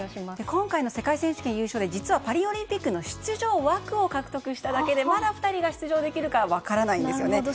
今回の世界選手権優勝で実はパリオリンピックの出場枠を獲得しただけでまだ２人が出場できるか分からないんですよね。